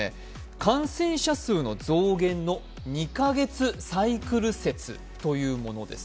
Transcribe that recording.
感染者数の増減の２カ月サイクル説というものです。